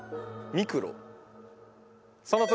ミクロか。